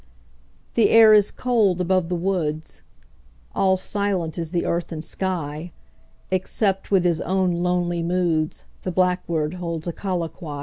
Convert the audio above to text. The air is cold above the woods; 5 All silent is the earth and sky, Except with his own lonely moods The blackbird holds a colloquy.